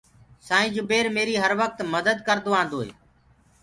سآئيٚنٚ جُبير ميريٚ هر وڪت مَدَت ڪردو آنٚدوئي۔